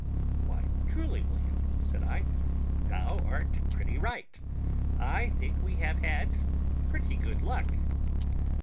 "Why, truly, William," said I, "thou art pretty right; I think we have had pretty good luck."